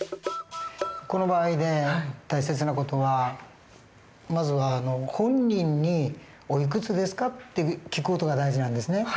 この場合で大切な事はまずは本人に「おいくつですか？」って聞く事が大事なんですね。